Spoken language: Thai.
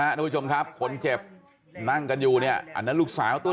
ทุกผู้ชมครับคนเจ็บนั่งกันอยู่เนี่ยอันนั้นลูกสาวต้น